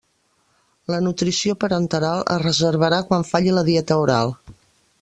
La nutrició parenteral es reservarà quan falli la dieta oral.